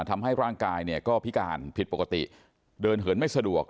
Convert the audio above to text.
ทำให้ร่างกายเนี่ยก็พิการผิดปกติเดินเหินไม่สะดวก